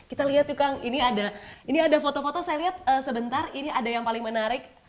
kita lihat tuh kang ini ada ini ada foto foto saya lihat sebentar ini ada yang paling menarik